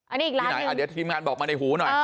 อันนี้อีกร้านหนึ่งอ่าเดี๋ยวทีมงานบอกมาในหูหน่อยอ่า